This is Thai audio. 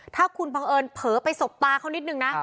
หากคุณฝังเอิญเผอไปศพบาเขานิดนึงนะ